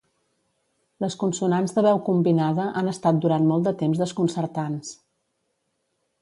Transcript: Les consonants de veu combinada han estat durant molt de temps desconcertants.